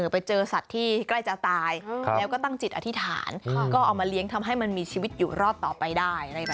ไปเจอสัตว์ที่ใกล้จะตายแล้วก็ตั้งจิตอธิษฐานก็เอามาเลี้ยงทำให้มันมีชีวิตอยู่รอดต่อไปได้